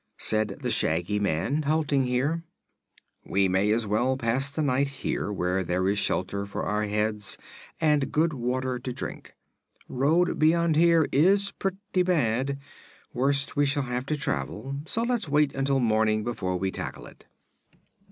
Said the Shaggy Man, halting here: "We may as well pass the night here, where there is shelter for our heads and good water to drink. Road beyond here is pretty bad; worst we shall have to travel; so let's wait until morning before we tackle it."